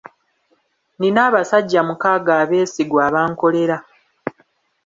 Nnina abasajja mukaaga abeesigwa, abankolera.